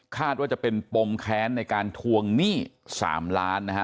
ว่าจะเป็นปมแค้นในการทวงหนี้๓ล้านนะฮะ